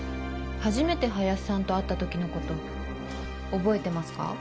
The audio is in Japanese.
初めて林さんと会った時のこと覚えてますか？